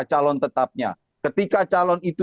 calon tetapnya ketika calon itu